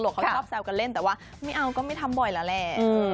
เขาชอบแซวกันเล่นแต่ว่าไม่เอาก็ไม่ทำบ่อยแล้วแหละ